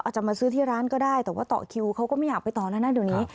จะมาซื้อที่ร้านก็ได้แต่ว่าต่อคิวเขาก็ไม่อยากไปต่อแล้วนะเดี๋ยวนี้